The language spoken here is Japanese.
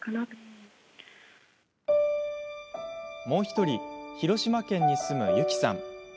もう１人、広島県に住む由希さん。